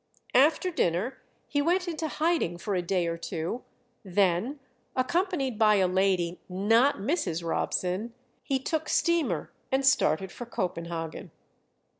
After dinner he went into hiding for a day or two, then, accompanied by a lady, not Mrs. Robson, he took steamer and started for Copenhagen.